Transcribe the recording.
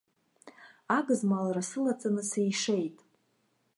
Агызмалра сылаҵаны сишеит.